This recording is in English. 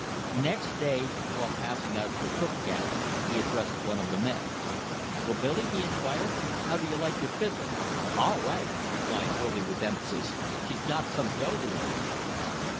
Next day, while passing out of the cook camp he addressed one of the men: "Well, Billy," he inquired, "how do you like your fiddler?" "All RIGHT!" replied Billy with emphasis. "She's got some go to her."